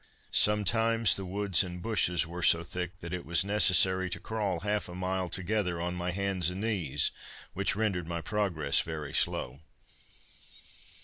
Sometimes the woods and bushes were so thick that it was necessary to crawl half a mile together on my hands and knees, which rendered my progress very slow.